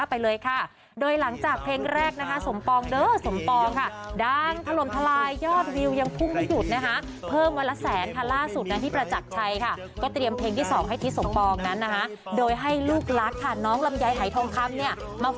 ไปเลยค่ะโดยหลังจากเพลงแรกนะคะสมปองเด้อสมปองค่ะดังถล่มทลายยอดวิวยังพุ่งไม่หยุดนะคะเพิ่มวันละแสนค่ะล่าสุดนะพี่ประจักรชัยค่ะก็เตรียมเพลงที่สองให้ทิศสมปองนั้นนะคะโดยให้ลูกรักค่ะน้องลำไยหายทองคำเนี่ยมา